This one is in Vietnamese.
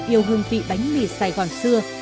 yêu hương vị bánh mì sài gòn xưa